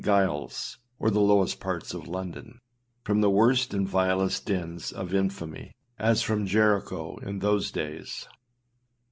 com Gilesâs, or the lowest parts of London, from the worst and vilest dens of infamy, as from Jericho in those days.